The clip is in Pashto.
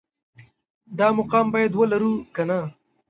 دا مقام باید ولرو که نه